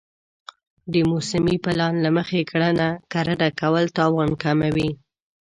د موسمي پلان له مخې کرنه کول تاوان کموي.